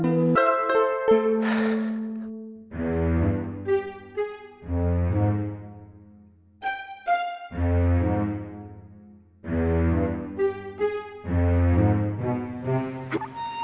gak ada yang bisa diangkat